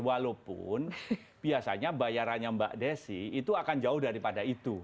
walaupun biasanya bayarannya mbak desi itu akan jauh daripada itu